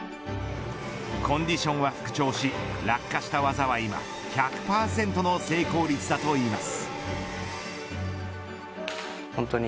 コンディションは復調し落下した技は今１００％の成功率だといいます。